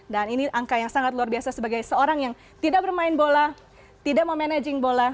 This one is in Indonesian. dan ini angka yang sangat luar biasa sebagai seorang yang tidak bermain bola tidak memanaging bola